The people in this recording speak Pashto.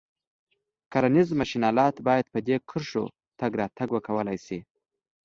کرنیز ماشین آلات باید په دې کرښو کې تګ راتګ وکولای شي.